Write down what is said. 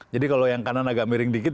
jadi kalau yang kanan agak miring dikit